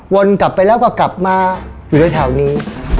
วนกลับไปแล้วก็กลับมาอยู่ในแถวนี้